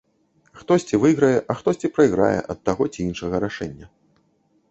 Хтосьці выйграе, а хтосьці прайграе ад таго ці іншага рашэння.